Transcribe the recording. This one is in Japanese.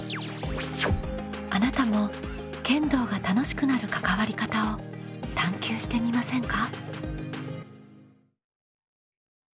あなたも剣道が楽しくなる関わり方を探究してみませんか？